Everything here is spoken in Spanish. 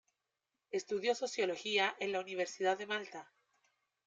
Estudió sociología en la Universidad de Malta.